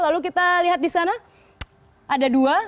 lalu kita lihat di sana ada dua